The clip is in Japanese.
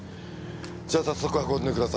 じゃあ早速運んでください。